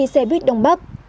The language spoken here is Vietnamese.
xe buýt đông bắc